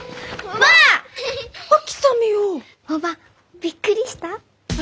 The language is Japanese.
おばぁびっくりした？